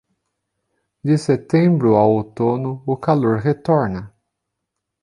De setembro a outono, o calor retorna.